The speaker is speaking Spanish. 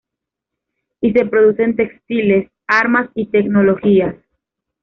Y se producen textiles, armas y tecnologías.